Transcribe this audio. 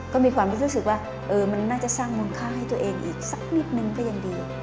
ก็มีความรู้สึกว่ามันน่าจะสร้างมูลค่าให้ตัวเองอีกสักนิดนึงก็ยังดี